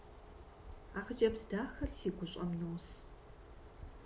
А хъыджэбз дахэр си гущӏэм нос.